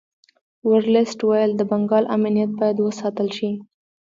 ورلسټ ویل د بنګال امنیت باید وساتل شي.